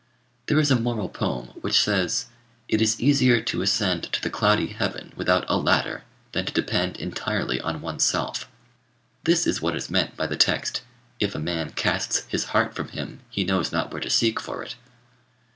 There is a moral poem which says, "It is easier to ascend to the cloudy heaven without a ladder than to depend entirely on oneself." This is what is meant by the text, "If a man casts his heart from him, he knows not where to seek for it."